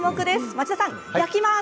町田さん焼きます！